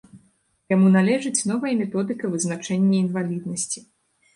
Яму належыць новая методыка вызначэння інваліднасці.